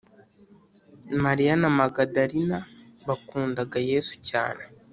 mariya na magadarina bakundaga yesu cyane